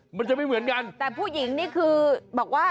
มันจะไม่เหมือนกันแต่ผู้หญิงนี่คือบอกว่า